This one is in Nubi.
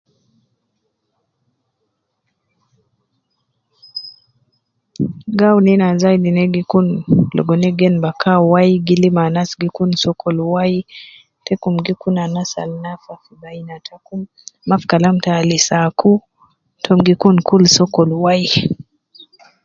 Gawunina zaidi negikun logo inegen baka wai gilim anas gikun sokol wai tokum gikun ana alnafa fbeina takum mafi alisi aku itokum gikun sokol wai